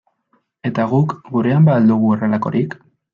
Eta guk gurean ba al dugu horrelakorik?